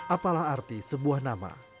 apalah arti sebuah nama